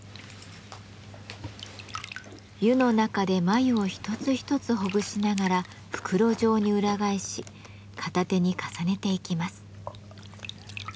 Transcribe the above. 湯の中で繭を一つ一つほぐしながら袋状に裏返し片手に重ねていきます。